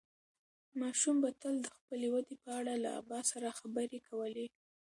ماشوم به تل د خپلې ودې په اړه له ابا سره خبرې کولې.